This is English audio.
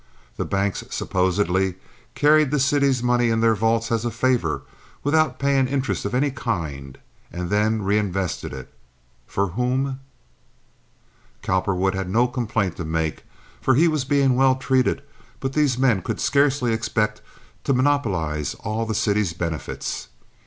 The banks supposedly carried the city's money in their vaults as a favor, without paying interest of any kind, and then reinvested it—for whom? Cowperwood had no complaint to make, for he was being well treated, but these men could scarcely expect to monopolize all the city's benefits.